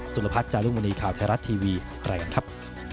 สุรพัทย์จารุงมณีข่าวไทยรัฐทีวีแหละกันครับ